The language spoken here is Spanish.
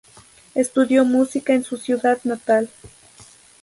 Estudió música en su ciudad natal.